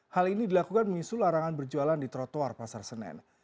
hal ini dilakukan menyusul larangan berjualan di trotoar pasar senen